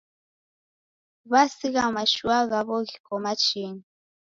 W'asigha mashua ghaw'o ghiko machinyi.